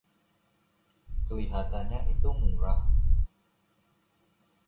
Kelihatannya itu murah.